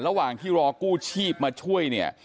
ระหว่างที่รอกู้ชีพมาช่วยเนี่ย